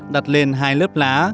đặt lên hai lớp lá